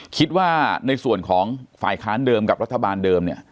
คิดว่าในส่วนของฝ่ายค้านเดิมกับรัฐบาลเดิมเนี่ย